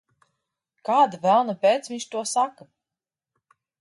Kāda velna pēc viņš to saka?